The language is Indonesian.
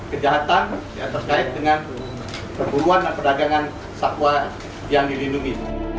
kejahatan terkait dengan perburuan dan perdagangan satwa yang dilindungi